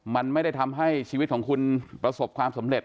มันไม่ได้ทำให้ชีวิตของคุณประสบความสำเร็จ